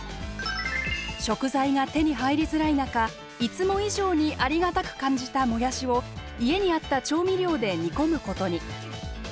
食材が手に入りづらい中いつも以上にありがたく感じたもやしを家にあった調味料で煮込むことに。